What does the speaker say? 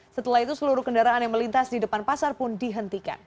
setelah itu seluruh kendaraan yang melintas di depan pasar pun dihentikan